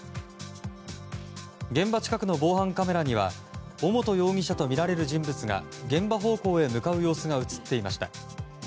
現場近くの防犯カメラには尾本容疑者とみられる人物が現場方向へ向かう様子が映っていました。